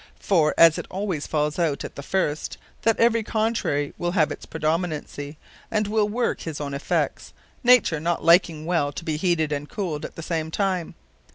For, as it alwayes falls out at the first, that every contrary will have its predominancy, and will worke his owne effects, Nature not liking well to be heated and cooled, at the same time.